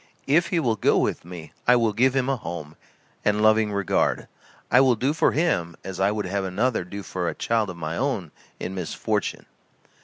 If he will go with me I will give him a home, and loving regard I will do for him as I would have another do for a child of my own in misfortune."